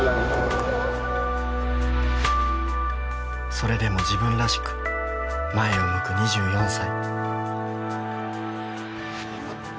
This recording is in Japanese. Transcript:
それでも自分らしく前を向く２４歳。